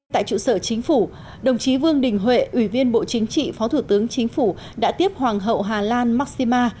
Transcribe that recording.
tại trụ sở chính phủ đồng chí vương đình huệ ủy viên bộ chính trị phó thủ tướng chính phủ đã tiếp hoàng hậu hà lan markshima